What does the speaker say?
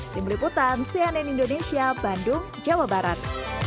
di meliputan cnn indonesia bandung jawa barat